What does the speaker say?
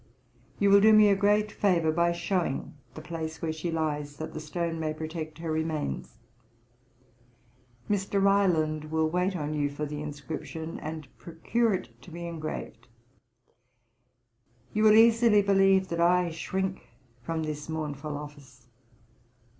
'You will do me a great favour by showing the place where she lies, that the stone may protect her remains. 'Mr. Ryland will wait on you for the inscription, and procure it to be engraved. You will easily believe that I shrink from this mournful office.